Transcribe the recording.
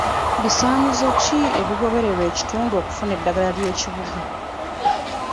Bisaanyizo ki ebigobererwa ekitundu okufuna eddaala ery'ekibuga?